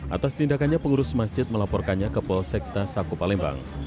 atas tindakannya pengurus masjid melaporkannya ke polsekta sakopalembang